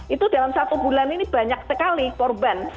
itu dalam satu bulan ini banyak sekali korban